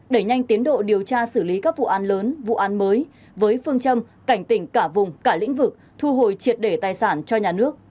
đẩy nhanh tiến độ điều tra xử lý các vụ an lớn vụ án mới với phương châm cảnh tỉnh cả vùng cả lĩnh vực thu hồi triệt để tài sản cho nhà nước